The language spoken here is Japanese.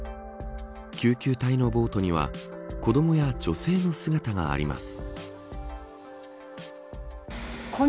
救急隊のボートには子どもや女性の姿があります。